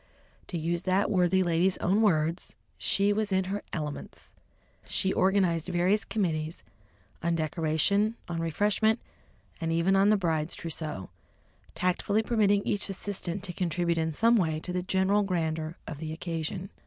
To use that worthy lady's own words, "she was in her elements!" She organised various committees on decoration, on refreshment, and even on the bride's trousseau, tactfully permitting each assistant to contribute in some way to the general grandeur of the occasion.